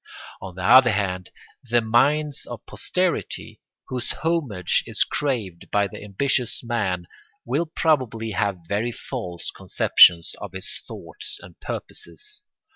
On the other hand, the minds of posterity, whose homage is craved by the ambitious man, will probably have very false conceptions of his thoughts and purposes.